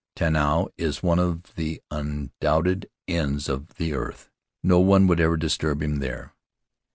Tanao is one of the undoubted ends of the earth. No one would ever disturb him there.